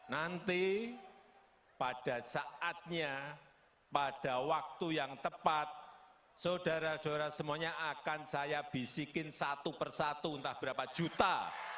nanti pada saatnya pada waktu yang tepat saudara saudara semuanya akan saya bisikin satu persatu entah berapa juta